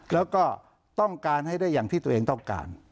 แล้วก็ต้องการให้ได้อย่างที่ตัวเองต้องการ